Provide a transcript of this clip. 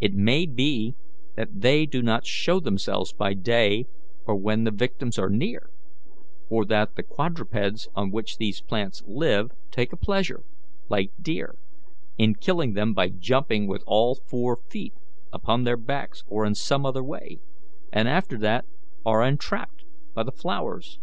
It may be that they do not show themselves by day or when the victims are near, or that the quadrupeds on which these plants live take a pleasure, like deer, in killing them by jumping with all four feet upon their backs or in some other way, and after that are entrapped by the flowers."